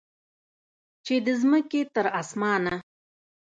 چې د مځکې تر اسمانه